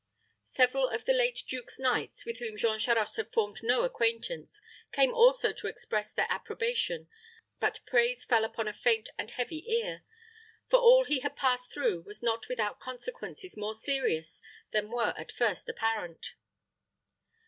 Several of the late duke's knights, with whom Jean Charost had formed no acquaintance, came also to express their approbation; but praise fell upon a faint and heavy ear; for all he had passed through was not without consequences more serious than were at first apparent.